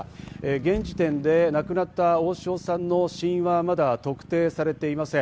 現時点で亡くなった大塩さんの死因はまだ特定されていません。